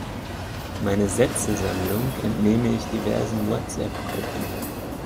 Meine Sätzesammlung entnehme ich diversen WhatsApp-Gruppen.